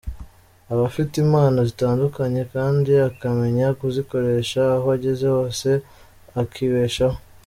Aba afite impano zitandukanye kandi akamenya kuzikoresha aho ageze hose akibeshaho.